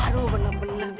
aduh benar benar dik